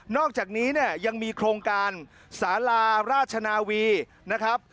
อกจากนี้เนี่ยยังมีโครงการสาราราชนาวีนะครับ